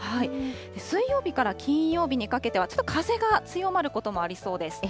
水曜日から金曜日にかけては、ちょっと風が強まることもありそうです。